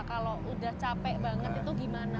kalau udah capek banget itu gimana